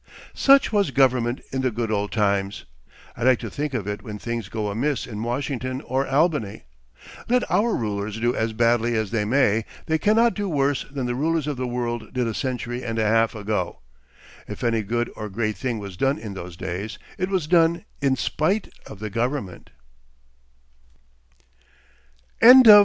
'" Such was government in the good old times! I like to think of it when things go amiss in Washington or Albany. Let our rulers do as badly as they may, they cannot do worse than the rulers of the world did a century and a half ago. If any good or great thing was done in those days, it was done in spite of the government.